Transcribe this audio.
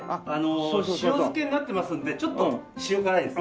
塩漬けになっていますんでちょっと塩辛いです。